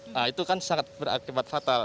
nah itu kan sangat berakibat fatal